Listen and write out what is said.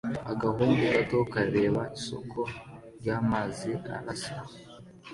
Agahungu gato kareba isoko y'amazi arasa